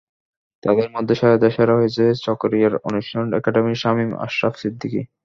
তাদের মধ্যে সেরাদের সেরা হয়েছে চকরিয়ার অনুশীলন একাডেমির শামীম আশ্রাফ ছিদ্দিকী।